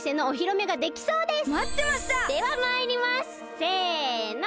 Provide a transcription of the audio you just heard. ではまいります！せの！